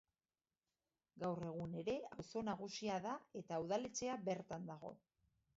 Gaur egun ere auzo nagusia da eta udaletxea bertan dago.